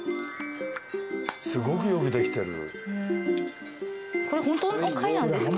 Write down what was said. すごくよくできてる。